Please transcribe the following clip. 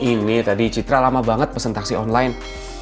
ini tadi citra lama banget pesan taksi online